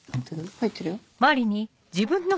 入ってるよ。